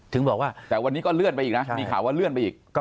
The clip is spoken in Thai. แต่วันนี้ก็เลื่อนไปอีกนะ